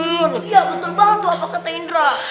iya bener banget tuh apakah tindra